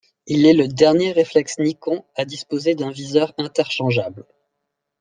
Il est le dernier reflex Nikon à disposer d'un viseur interchangeable.